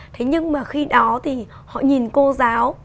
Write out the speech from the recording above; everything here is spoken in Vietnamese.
thế nhưng mà khi đó thì họ nhìn cô giáo